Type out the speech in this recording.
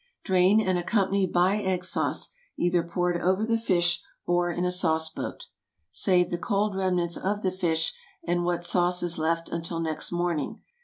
Drain and accompany by egg sauce—either poured over the fish, or in a sauce boat. Save the cold remnants of the fish and what sauce is left until next morning.